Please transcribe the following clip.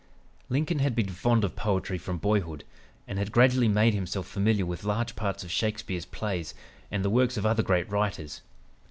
... "Lincoln had been fond of poetry from boyhood, and had gradually made himself familiar with large parts of Shakespeare's plays and the works of other great writers.